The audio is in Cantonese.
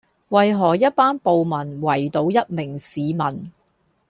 為何一班暴民圍堵一名市民